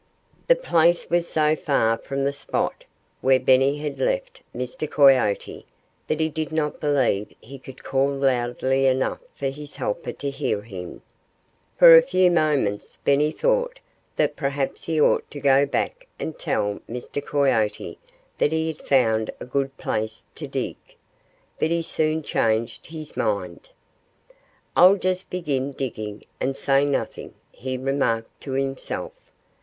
The place was so far from the spot where Benny had left Mr. Coyote that he did not believe he could call loudly enough for his helper to hear him. For a few moments Benny thought that perhaps he ought to go back and tell Mr. Coyote that he had found a good place to dig. But he soon changed his mind. "I'll just begin digging and say nothing," he remarked to himself.